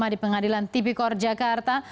sama di pengadilan tv kor jakarta